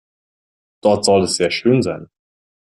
Dort soll es sehr schön sein.